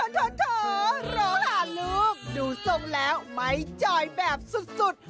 โทษโรหะลูกดูส้มแล้วไม้จอยแบบสุด